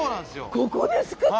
ここでつくって。